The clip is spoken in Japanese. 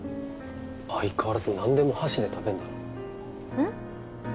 相変わらず何でも箸で食べんだなうん？